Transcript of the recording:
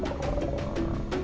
silat harimau pasaman